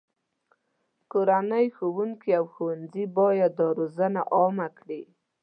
کورنۍ، ښوونکي، او ښوونځي باید دا روزنه عامه کړي.